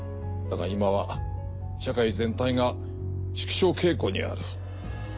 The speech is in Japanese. だが今は社会全体が縮小傾向にある。